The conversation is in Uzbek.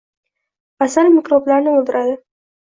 Asal mikroblarni o‘ldiradi.